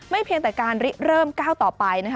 ไม่เพียงแต่การริเริ่มก้าวต่อไป